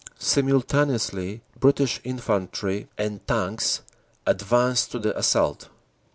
Simultaneously British infantry and tanks advanced to the assault.